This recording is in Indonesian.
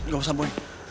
gak usah boy